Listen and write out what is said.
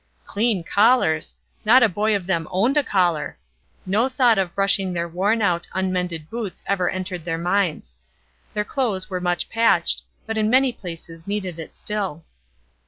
Clean collars! Not a boy of them owned a collar. No thought of brushing their worn out, unmended boots ever entered their minds. Their clothes were much patched, but in many places needed it still.